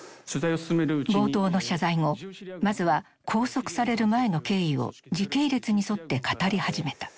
冒頭の謝罪後まずは拘束される前の経緯を時系列に沿って語り始めた。